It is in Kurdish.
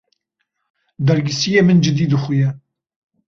Dergîsiyê min cidî dixuye.